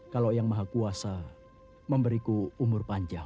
kalau yang maha kuasa memberiku umur panjang